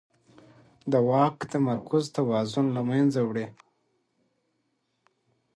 د واک تمرکز توازن له منځه وړي